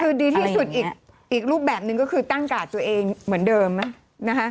คือดีที่สุดอีกรูปแบบหนึ่งก็คือตั้งกาดตัวเองเหมือนเดิมนะ